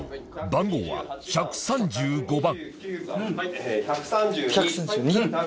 番号は１３５番